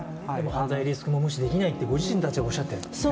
犯罪リスクも無視できないとご自身たちもおっしゃっている。